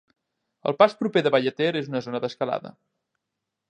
El pas proper de Ballater és una zona d'escalada.